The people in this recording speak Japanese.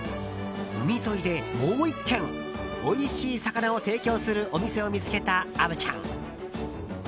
海沿いで、もう１軒おいしい魚を提供するお店を見つけた虻ちゃん。